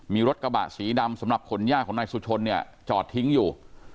มีรถกระบะสีดำสำหรับขนย่าของนายสุชนเนี่ยจอดทิ้งอยู่